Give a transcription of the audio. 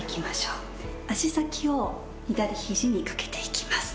足先を左肘に掛けていきます。